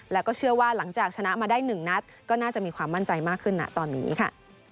แล้วก็เชื่อว่าหลังจากชนะมาได้๑นัดก็น่าจะมีความมั่นใจมากขึ้นนะตอนนี้ค่ะ